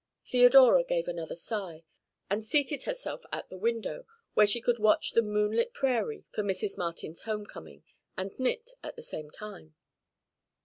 Theodora gave another sigh, and seated herself at the window, where she could watch the moonlit prairie for Mrs. Martin's homecoming and knit at the same time.